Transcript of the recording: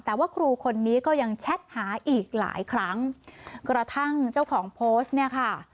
แต่ว่าครูคนนี้ก็ยังแชทหาอีกหลายครั้งกระทั่งเจ้าของโพสต์เนี่ยค่ะ